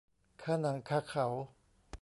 คาหนังคาเขา